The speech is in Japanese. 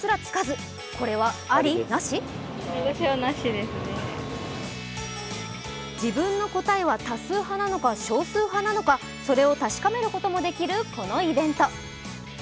例えば自分の答えは多数派なのか、少数派なのか、それを確かめることもできるこのイベント。